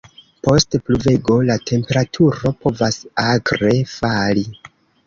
Post pluvego, la temperaturo povas akre fali.